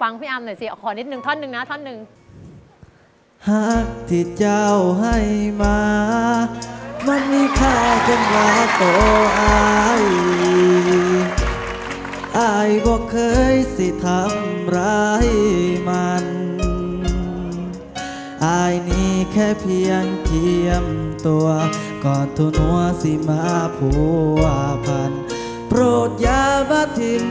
ฟังพี่อำหน่อยสิขอนิดนึงท่อนหนึ่งนะท่อนหนึ่ง